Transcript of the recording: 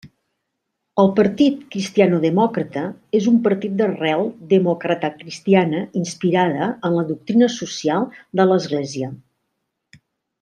El Partit Cristianodemòcrata és un partit d'arrel democratacristiana inspirada en la doctrina social de l'Església.